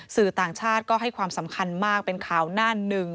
สื่อต่างชาติก็ให้ความสำคัญมากเป็นข่าวหน้าหนึ่ง